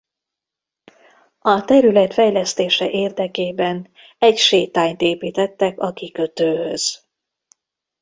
A terület fejlesztése érdekében egy sétányt építettek a kikötőhöz.